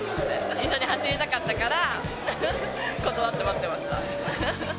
一緒に走りたかったから、断って待ってました。